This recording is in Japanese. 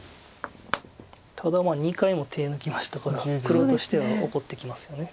ただ２回も手抜きましたから黒としては怒ってきますよね。